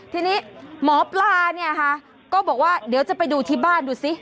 ทีนี้หมอปลาเนี่ยค่ะก็บอกว่าเดี๋ยวจะไปดูที่บ้านดูสิ